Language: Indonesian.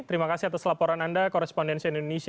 terima kasih atas laporan anda korespondensi indonesia